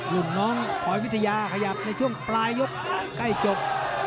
รุ่นน้องคอยวิทยาขยับในช่วงปลายยกใกล้จบ